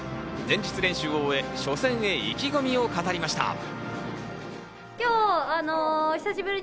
前日練習を終え、初戦へ意気込みを語りました。